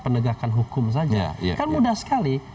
penegakan hukum saja kan mudah sekali